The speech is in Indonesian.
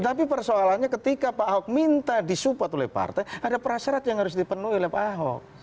tapi persoalannya ketika pak ahok minta disupport oleh partai ada prasyarat yang harus dipenuhi oleh pak ahok